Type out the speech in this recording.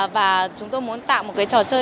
và chúng tôi muốn tạo một trò chơi